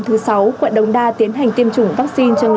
quận đống đa tiến hành tiêm chủng vaccine